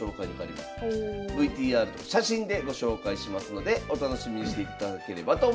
ＶＴＲと写真でご紹介しますのでお楽しみにしていただければと思います。